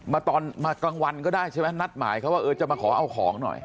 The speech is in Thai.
มาตอนมากลางวันก็ได้ใช่ไหมนัดหมายเขาว่าเออจะมาขอเอาของหน่อย